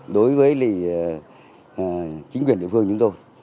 đối với chính quyền địa phương chúng tôi